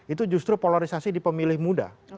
itu justru polarisasi di pemilih muda